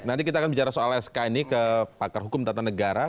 nanti kita akan bicara soal sk ini ke pakar hukum tata negara